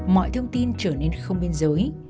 mọi thông tin trở nên không biên giới